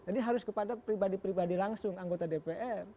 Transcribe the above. jadi harus kepada pribadi pribadi langsung anggota dpr